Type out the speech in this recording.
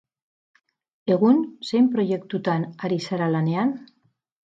Egun, zein proiektutan ari zara lanean?